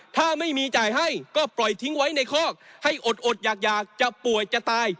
ถ้าไม่มีจ่ายให้ก็ปล่อยทิ้งไว้ในคอกให้อดอยากจะป่วยจะตาย